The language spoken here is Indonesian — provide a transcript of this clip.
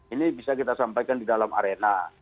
ini bisa kita sampaikan di dalam arena